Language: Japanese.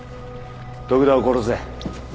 徳田を殺せ。